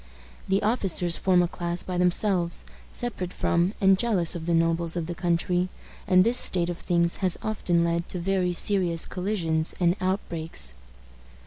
The officers form a class by themselves, separate from, and jealous of the nobles of the country; and this state of things has often led to very serious collisions and outbreaks.